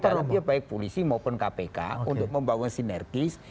dari dalam itu baik polisi maupun kpk untuk membawa sinergis